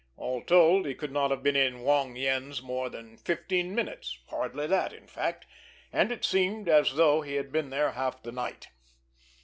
All told, he could not have been in Wong Yen's more than fifteen minutes, hardly that, in fact, and it seemed as though he had been there half the night!